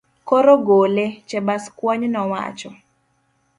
Koro gole, Chebaskwony nowacho.